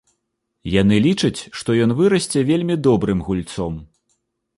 Яны лічаць, што ён вырасце вельмі добрым гульцом.